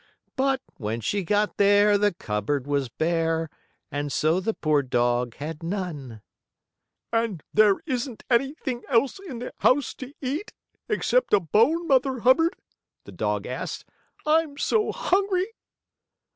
But, when she got there, The cupboard was bare, And so the poor dog had none." "And isn't there anything else in the house to eat, except a bone, Mother Hubbard?" the dog asked. "I'm so hungry?"